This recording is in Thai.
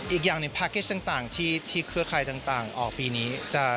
อีกอย่างหนึ่งพาร์เก็ตต่างที่เครือข่ายต่างออกปีนี้